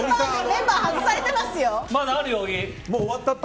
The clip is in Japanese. メンバー外されていますよ。